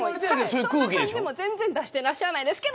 そんな感じも全然出していらっしゃらないですけど。